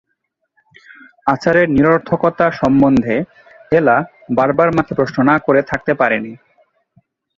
আচারের নিরর্থকতা সম্বন্ধে এলা বারবার মাকে প্রশ্ন না করে থাকতে পারে নি।